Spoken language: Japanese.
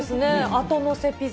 あとのせピザ。